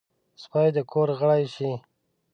سپي د کور غړی شي.